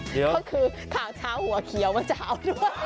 ก็คือข่าวเช้าหัวเขียวมันเช้าด้วย